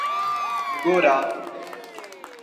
گورا